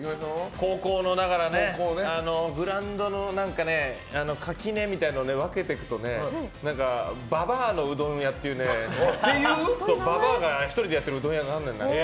高校のグラウンドの垣根みたいなのを分けていくとばばあのうどん屋っていうばばあが１人でやってるうどん屋があるのよ。